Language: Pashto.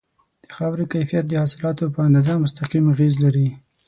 د خاورې کیفیت د حاصلاتو په اندازه مستقیم اغیز لري.